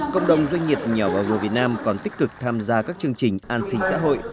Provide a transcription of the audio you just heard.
cộng đồng doanh nghiệp nhỏ và vừa việt nam còn tích cực tham gia các chương trình an sinh xã hội